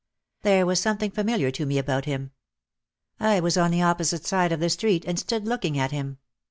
There was something familiar to me about him. I was on the opposite side of the street and stood looking at him.